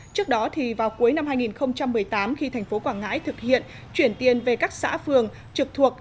trước đó vào cuối năm hai nghìn một mươi tám khi thành phố quảng ngãi thực hiện chuyển tiền về các xã phường trực thuộc